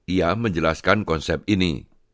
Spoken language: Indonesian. ia menjelaskan konsep ini